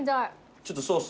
ちょっとソース。